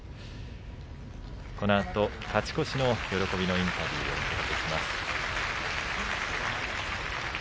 このあと勝ち越しの喜びのインタビューをお届けします。